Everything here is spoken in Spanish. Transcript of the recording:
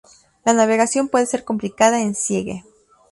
La navegación puede ser complicada en Siege.